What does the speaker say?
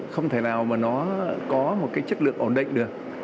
không thể nào mà nó có một cái chất lượng ổn định được